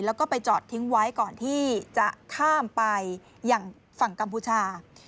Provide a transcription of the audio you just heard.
แล้วก็ไปจอดทิ้งไว้ก่อนที่จะข้ามไปอย่างฝั่งกัมพูชา